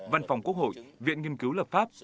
văn phòng quốc hội viện nghiên cứu lập pháp